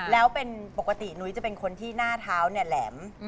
แล้วเป็นปกตินุ้ยจะเป็นคนที่หน้าเท้าเนี่ยแหลม